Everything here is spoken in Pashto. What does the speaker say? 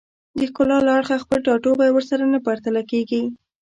د ښکلا له اړخه خپل ټاټوبی ورسره نه پرتله کېږي